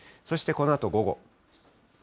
そしてこのあと午後。